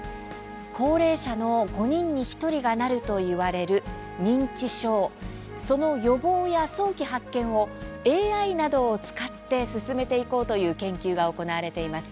高齢者の５人に１人がなるといわれる認知症その予防や早期発見をＡＩなどを使って進めていこうという研究が行われています。